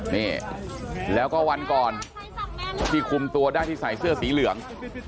นี่แล้วก็วันก่อนที่คุมตัวได้ที่ใส่เสื้อสีเหลือง